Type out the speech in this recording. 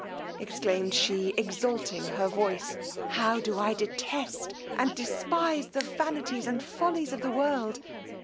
exclaimed she, exalting her voice, how do I detest and despise the vanities and follies of the world!